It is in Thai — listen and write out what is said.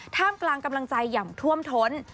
ท่ามกลางกำลังใจอย่างท่วมท้น